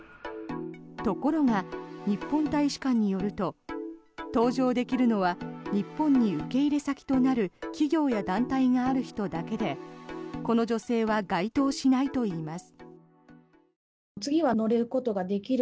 ところが、日本大使館によると搭乗できるのは日本に受け入れ先となる企業や団体がある人だけでこの女性は該当しないといいます。